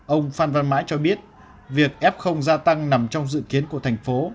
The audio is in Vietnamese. ông phan văn mãi cho biết việc f gia tăng nằm trong dự kiến của thành phố